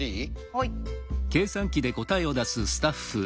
はい。